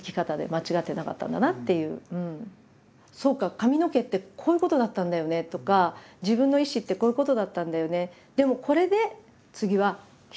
髪の毛ってこういうことだったんだよね」とか「自分の意思ってこういうことだったんだよね。